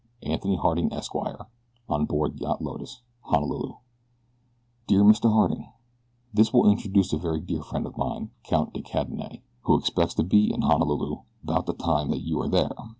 Anthony Harding, Esq. On Board Yacht Lotus, Honolulu My dear Mr. Harding: This will introduce a very dear friend of mine, Count de Cadenet, who expects to be in Honolulu about the time that you are there.